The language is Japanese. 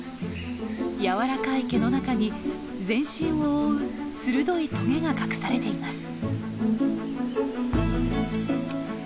柔らかい毛の中に全身を覆う鋭いトゲが隠されています。